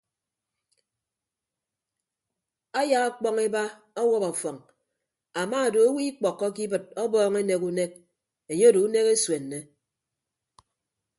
Aya ọkpọñ eba ọwọp afọñ ama odo owo ikpọkkọke ibịt ọbọọñ enek unek enye odo unek esuenne.